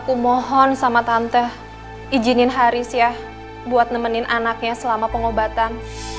aku mohon sama tante izinin haris ya buat nemenin anaknya selama pengobatan